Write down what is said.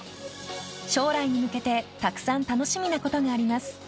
将来に向けてたくさん楽しみなことがあります。